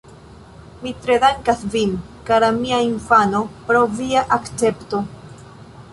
Mi tre dankas vin, kara mia infano pro via akcepto.